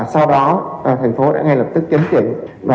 sau đó thành phố đã ngay lập tức chấn chỉnh